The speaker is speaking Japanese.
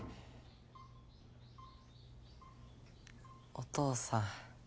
お父さん。